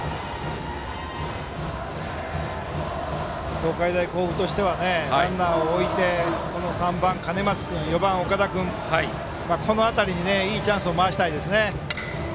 東海大甲府としてはランナーを置いて３番の兼松君、４番の岡田君にいいチャンスを回したいですね。